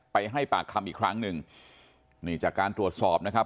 ให้ปากคำอีกครั้งหนึ่งนี่จากการตรวจสอบนะครับ